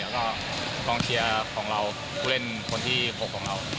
แล้วก็กองเชียร์ของเราผู้เล่นคนที่๖ของเรา